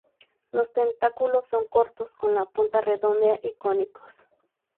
Los tentáculos son cortos, con la punta redondeada y cónicos.